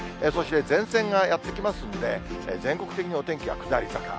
そして、前線がやって来ますんで、全国的にお天気は下り坂。